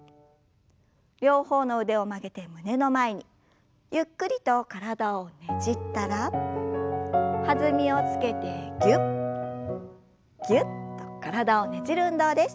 両方の腕を曲げて胸の前にゆっくりと体をねじったら弾みをつけてぎゅっぎゅっと体をねじる運動です。